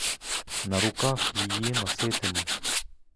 На руках її носитиму!